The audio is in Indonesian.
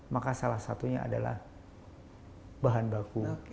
maka salah satunya adalah bahan baku